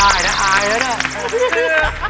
ทำไมได้นะอายนะ